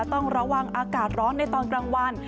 ต้องระวังอากาศร้อนในตอนกลางวัน